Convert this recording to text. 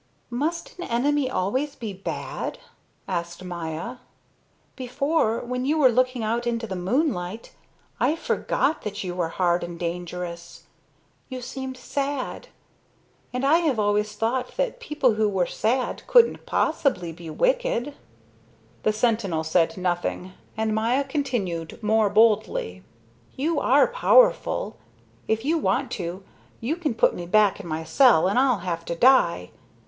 "Must an enemy always be bad?" asked Maya. "Before, when you were looking out into the moonlight, I forgot that you were hard and dangerous. You seemed sad, and I have always thought that people who were sad couldn't possibly be wicked." The sentinel said nothing, and Maya continued more boldly: "You are powerful. If you want to, you can put me back in my cell, and I'll have to die.